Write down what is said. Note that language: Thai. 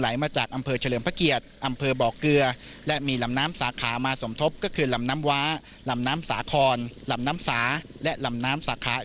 อามาสมทบก็คือที่ลำน้ำวาลำน้ำสาขอนลำน้ำสาและลำน้ำสาขา